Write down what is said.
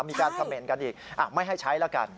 เม่นกันอีกไม่ให้ใช้แล้วกัน